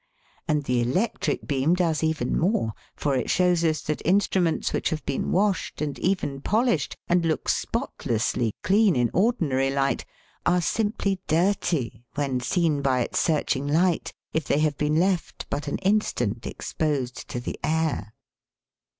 And the electric beam does even more, for it shows us that instruments which have been washed, and even polished, and look spotlessly clean in ordinary light, are simply dirty when seen by its searching light, if they have been left but an instant exposed to the air. FLOATING MATTER OF THE AIR.